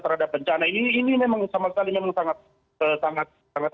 terhadap bencana ini ini memang sama sekali memang sangat